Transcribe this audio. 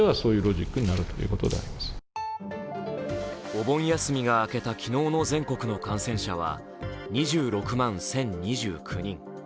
お盆休みが明けた昨日全国の感染者は２６万１０２９人。